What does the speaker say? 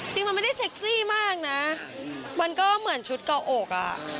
จริงมันไม่ได้เซ็กซี่มากนะมันก็เหมือนชุดเกาะอกอ่ะ